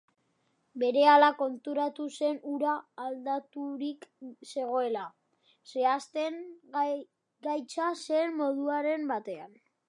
Berehala konturatu zen hura aldaturik zegoela, zehazten gaitza zen moduren batean.